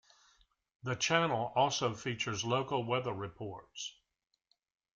The channel also features local weather reports.